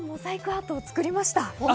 アートを作りました。